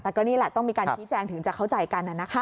แต่ก็นี่แหละต้องมีการชี้แจงถึงจะเข้าใจกัน